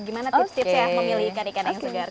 gimana tips tips ya memilih ikan ikan yang segar